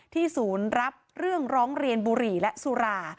ศูนย์รับเรื่องร้องเรียนบุหรี่และสุรา